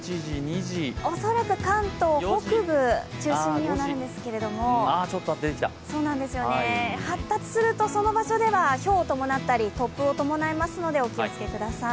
恐らく関東北部中心にはなるんですけれども、発達すると、その場所ではひょうを伴ったり、突風を伴いますのでお気をつけください。